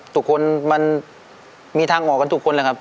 ทุกคนมันมีทางออกกันทุกคนเลยครับ